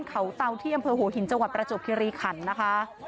เขาเตาที่อำเภอหัวหินจังหวัดประจวบคิริขันนะคะ